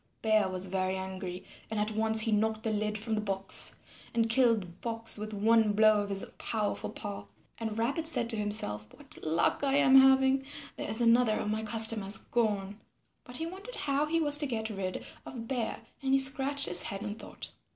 Bear was very angry and at once he knocked the lid from the box and killed Fox with one blow of his powerful paw. And Rabbit said to himself, "What luck I am having; there is another of my customers gone." But he wondered how he was to get rid of Bear, and he scratched his head in thought.